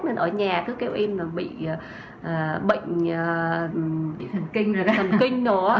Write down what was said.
nên ở nhà cứ kêu em là bị bệnh thần kinh rồi đó